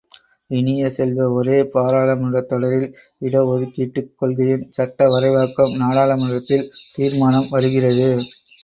இனிய செல்வ, ஒரே பாராளுமன்றத்தொடரில், இடஒதுக்கீட்டுக் கொள்கையின் சட்ட வரைவாக்கம் நாடாளுமன்றத்தில் தீர்மானம் வருகிறது.